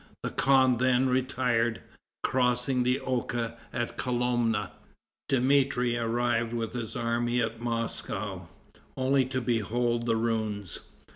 The khan then retired, crossing the Oka at Kolomna. Dmitri arrived with his army at Moscow, only to behold the ruins.